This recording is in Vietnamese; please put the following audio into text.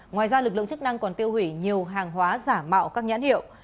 ngoài ra lực lượng chức năng còn tiêu hủy nhiều hàng hóa giả mạo các nhãn hiệu